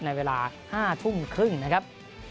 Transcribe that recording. ในเวลา๕ทุ่มครึ่งนะครับ